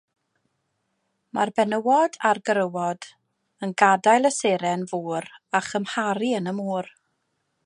Mae'r benywod a'r gwrywod yn gadael y seren fôr a chymharu yn y môr.